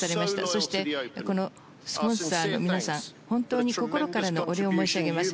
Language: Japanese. そして、スポンサーの皆さん本当に心からのお礼を申し上げます。